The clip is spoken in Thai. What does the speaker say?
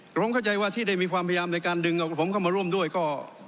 ผมเข้าใจว่าที่ได้มีความพยายามในการดึงเอากับผมเข้ามาร่วมด้วยก็